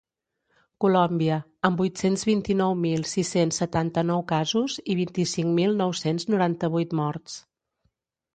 Colòmbia, amb vuit-cents vint-i-nou mil sis-cents setanta-nou casos i vint-i-cinc mil nou-cents noranta-vuit morts.